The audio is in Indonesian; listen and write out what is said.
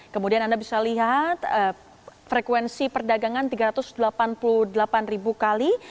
kemudian anda bisa lihat frekuensi perdagangan tiga ratus delapan puluh delapan ribu kali